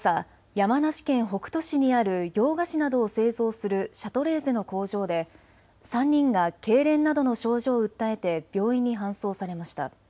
山梨県北杜市にある洋菓子などを製造するシャトレーゼの工場で３人がけいれんなどの症状を訴えて病院に搬送されました。